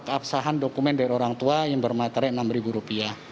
keabsahan dokumen dari orang tua yang bermaterai rp enam